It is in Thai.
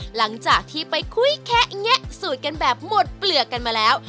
หลังจากที่ไปคุยแคะแงะสูตรกันแบบหมดเปลือกกันมาแล้ว